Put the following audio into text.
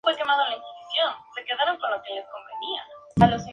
Es una tipografía admirada por muchos debido a su gracia y fuerza.